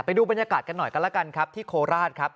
ไปดูบรรยากาศกันหน่อยกันแล้วกันครับที่โคราชครับ